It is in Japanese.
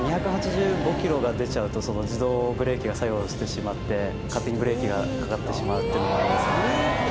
２８５キロが出ちゃうと、自動ブレーキが作用してしまって、勝手にブレーキがかかってしまっていうのがあります。